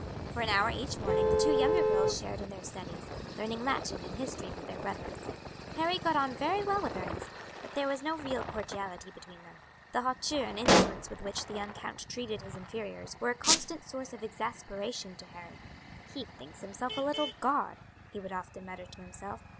For an hour each morning the two younger girls shared in their studies, learning Latin and history with their brothers. Harry got on very well with Ernest, but there was no real cordiality between them. The hauteur and insolence with which the young count treated his inferiors were a constant source of exasperation to Harry. "He thinks himself a little god," he would often mutter to himself.